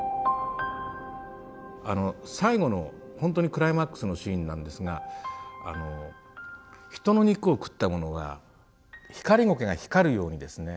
あの最後の本当にクライマックスのシーンなんですが人の肉を食った者がひかりごけが光るようにですね